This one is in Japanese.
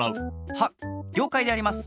はっりょうかいであります。